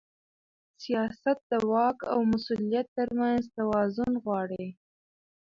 سیاست د واک او مسؤلیت ترمنځ توازن غواړي